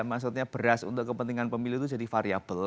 maksudnya beras untuk kepentingan pemilih itu jadi variable